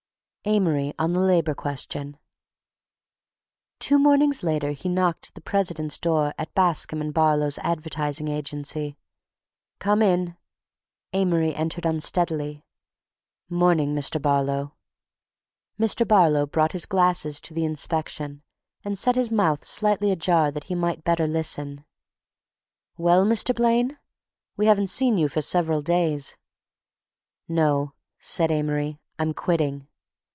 AMORY ON THE LABOR QUESTION Two mornings later he knocked at the president's door at Bascome and Barlow's advertising agency. "Come in!" Amory entered unsteadily. "'Morning, Mr. Barlow." Mr. Barlow brought his glasses to the inspection and set his mouth slightly ajar that he might better listen. "Well, Mr. Blaine. We haven't seen you for several days." "No," said Amory. "I'm quitting."